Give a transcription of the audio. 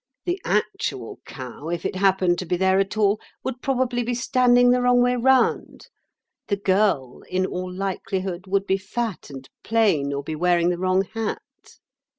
The actual cow, if it happened to be there at all, would probably be standing the wrong way round; the girl, in all likelihood, would be fat and plain, or be wearing the wrong hat.